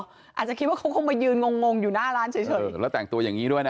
อาจจะคิดว่าเขาคงมายืนงงงอยู่หน้าร้านเฉยแล้วแต่งตัวอย่างนี้ด้วยนะ